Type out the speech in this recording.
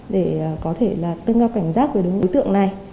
để có thể đưa ra cảnh giác về đối tượng này